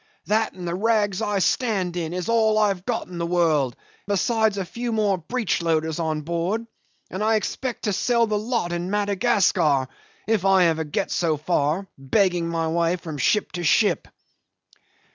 That and the rags I stand in is all I have got in the world, besides a few more breechloaders on board; and I expect to sell the lot in Madagascar, if I ever get so far begging my way from ship to ship."